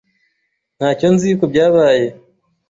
Ntacyo nzi kubyabaye.